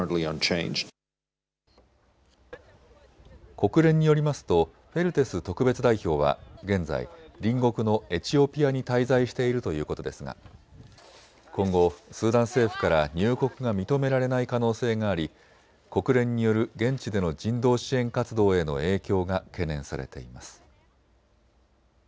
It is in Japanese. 国連によりますとペルテス特別代表は現在、隣国のエチオピアに滞在しているということですが今後、スーダン政府から入国が認められない可能性があり国連による現地での人道支援活動への影響が懸念されています。